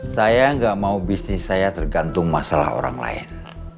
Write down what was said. saya nggak mau bisnis saya tergantung masalah orang lain